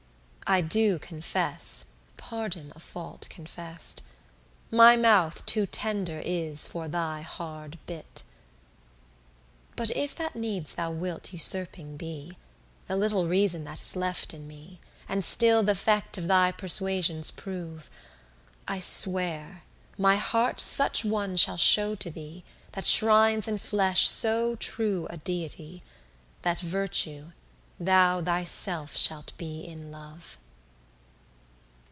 I do confess, pardon a fault confess'd, My mouth too tender is for thy hard bit. But if that needs thou wilt usurping be, The little reason that is left in me, And still th'effect of thy persuasions prove: I swear, my heart such one shall show to thee That shrines in flesh so true a deity, That Virtue, thou thyself shalt be in love.